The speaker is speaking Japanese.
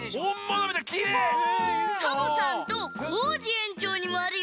サボさんとコージえんちょうにもあるよ。